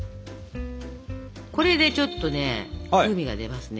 これでちょっとね風味が出ますね